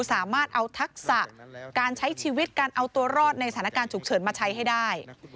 สามารถเอาทักษะการใช้ชีวิตการเอาตัวรอดในสถานการณ์ฉุกเฉินมาใช้ให้ได้